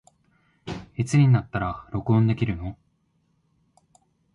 いつになったら録音できるの